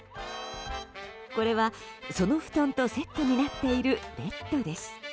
これは、その布団とセットになっているベッドです。